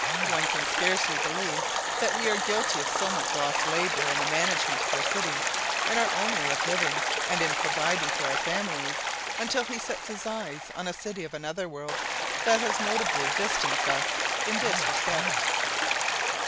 One can scarcely believe that we are guilty of so much lost labor in the management of our cities, in our own way of living, and in providing for our families, until he sets his eyes on a city of another world that has notably distanced us in this respect.